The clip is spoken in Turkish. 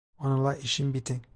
Onunla işim bitti.